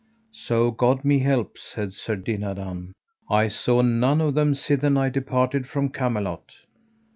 So God me help, said Sir Dinadan, I saw none of them sithen I departed from Camelot.